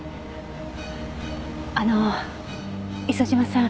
あの磯島さん